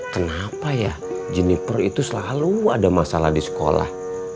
kenapa ya jenniper itu selalu ada masalah di sekolah